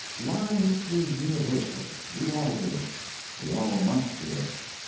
Lying is universal we all do it; we all must do it.